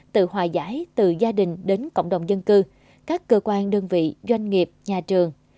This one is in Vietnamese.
tự hòa giải từ gia đình đến cộng đồng dân cư các cơ quan đơn vị doanh nghiệp nhà trường